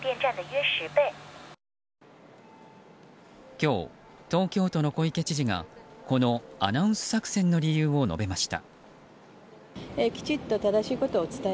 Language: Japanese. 今日、東京都の小池知事がこのアナウンス作戦の理由を述べました。